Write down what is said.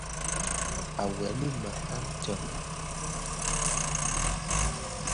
À weli më a ntseng.